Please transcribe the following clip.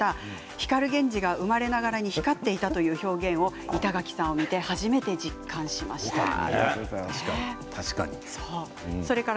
光源氏が生まれながらに光っていたという表現を板垣さんを見て、初めて実感しましたということです。